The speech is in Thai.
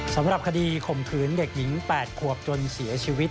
สำหรับคดีข่มขืนเด็กหญิง๘ขวบจนเสียชีวิต